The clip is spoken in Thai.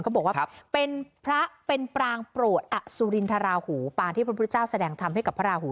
เขาบอกว่าเป็นพระเป็นปรางโปรดอสุรินทราหูปางที่พระพุทธเจ้าแสดงทำให้กับพระราหู